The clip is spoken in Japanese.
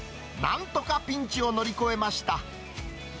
なんとかピンチを乗り越えました。